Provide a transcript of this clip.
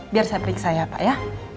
biar saya periksa ya pak ya